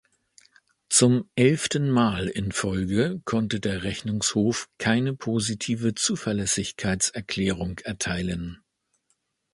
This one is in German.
Zum elften Mal in Folge konnte der Rechnungshof keine positive Zuverlässigkeitserklärung erteilen.